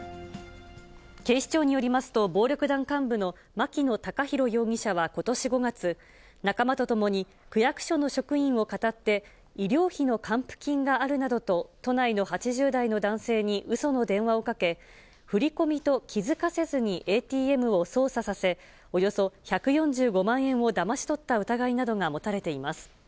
警視庁によりますと、暴力団幹部の牧野たかひろ容疑者はことし５月、仲間とともに区役所の職員をかたって、医療費の還付金があるなどと都内の８０代の男性にうその電話をかけ、振り込みと気付かせずにＡＴＭを操作させ、およそ１４５万円をだまし取った疑いなどが持たれています。